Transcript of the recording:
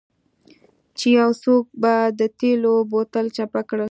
چې یو څوک به د تیلو بوتل چپه کړي